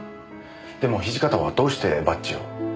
でも土方はどうしてバッジを。